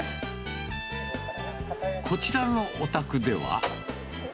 こちらのお宅では。